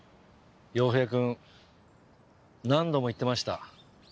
陽平くん何度も言ってました。